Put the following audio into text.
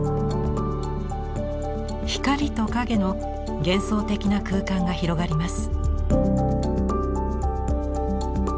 光と影の幻想的な空間が広がります。